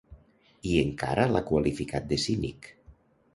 I encara l’ha qualificat de ‘cínic’.